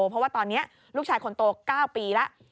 เพราะว่าตอนนี้ลูกชายคนโต๙ปีแล้ว